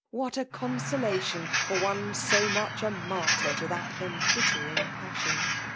What a consolation for one so nuw:h a martyr to that embittering passion